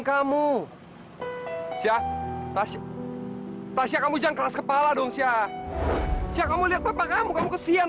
kamu siap kasih tasya kamu jangan keras kepala dong siap siap kamu lihat papa kamu kamu kesian